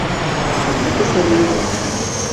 ¿De que se rin?